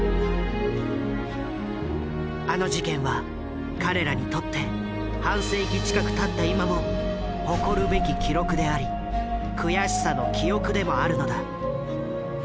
あの事件は彼らにとって半世紀近くたった今も誇るべき記録であり悔しさの記憶でもあるのだ。